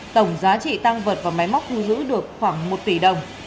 tổng giá trị tăng vật và máy móc thu giữ được khoảng một tỷ đồng